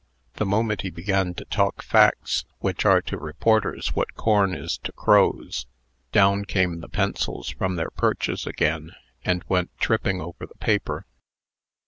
The moment he began to talk facts which are to reporters what corn is to crows down came the pencils from their perches again, and went tripping over the paper.